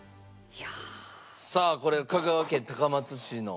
さあこれ香川県高松市の。